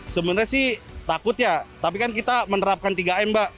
sebenarnya sih takut ya tapi kan kita menerapkan tiga m mbak